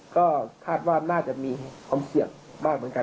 ก็คาดว่าน่าจะมีความเสี่ยงมากเหมือนกัน